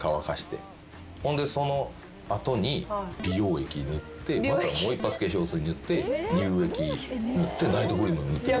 ほんでその後に美容液塗ってまたもう一発化粧水塗って乳液塗ってナイトクリーム塗って。